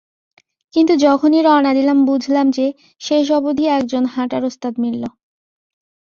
কিন্তু যখনই রওনা দিলাম বুঝলাম যে, শেষ অবধি একজন হাঁটার ওস্তাদ মিলল।